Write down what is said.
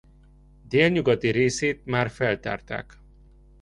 A délnyugati részét már feltárták.